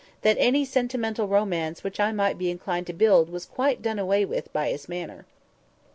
that any sentimental romance which I might be inclined to build was quite done away with by his manner.